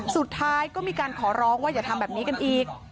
สุดท้ายก็มีการขอร้องว่าอย่าทำแบบนี้กันอีก